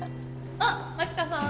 あっ槙田さーん。